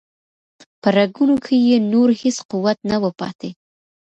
په رګونو کې یې نور هیڅ قوت نه و پاتې.